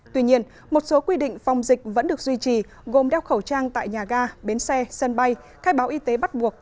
tuy nhiên một số quy định phòng dịch vẫn được duy trì gồm đeo khẩu trang tại nhà ga bến xe sân bay khai báo y tế bắt buộc